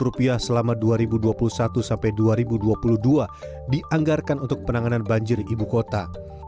rp lima selama dua ribu dua puluh satu sampai dua ribu dua puluh dua dianggarkan untuk penanganan banjir ibu kota